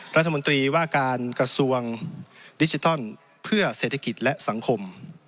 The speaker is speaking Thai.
รัฐมนตรีว่าการกระทรวงดิจิทัลเพื่อเศรษฐกิจและสังคม